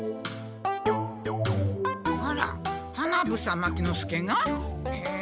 あら花房牧之介が？へえ。